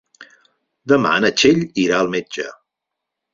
Demà na Txell irà al metge.